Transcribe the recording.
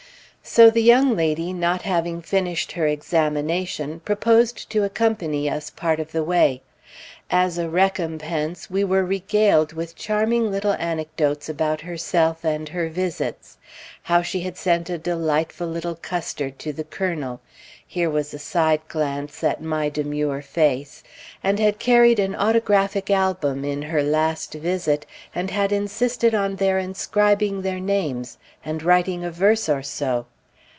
So the young lady, not having finished her examination, proposed to accompany us part of the way. As a recompense, we were regaled with charming little anecdotes about herself, and her visits. How she had sent a delightful little custard to the Colonel (here was a side glance at my demure face) and had carried an autographic album in her last visit, and had insisted on their inscribing their names, and writing a verse or so.